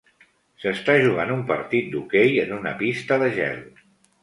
S'està jugant un partit d'hoquei en una pista de gel.